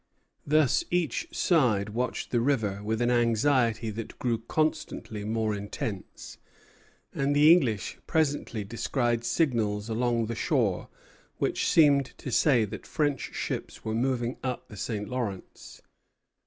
Thus each side watched the river with an anxiety that grew constantly more intense; and the English presently descried signals along the shore which seemed to say that French ships were moving up the St. Lawrence.